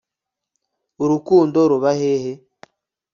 Urukundo ruba hehe